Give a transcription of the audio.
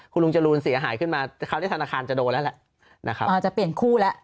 คุณลุงจรูนเสียหายขึ้นมาคราวนี้ธนาคารจะโดนแล้วแหละ